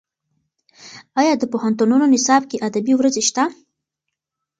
ایا د پوهنتونونو نصاب کې ادبي ورځې شته؟